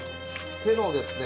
手のですね